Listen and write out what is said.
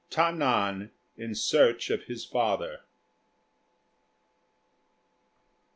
TA NAN IN SEARCH OF HIS FATHER.